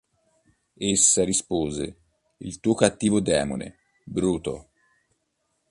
Essa rispose: "Il tuo cattivo demone, Bruto.